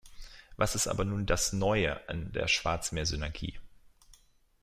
Was ist aber nun das Neue an der Schwarzmeersynergie?